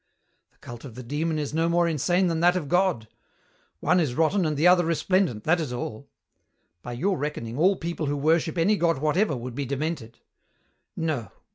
The cult of the Demon is no more insane than that of God. One is rotten and the other resplendent, that is all. By your reckoning all people who worship any god whatever would be demented. No.